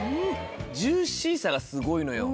ジューシーさがすごいのよ。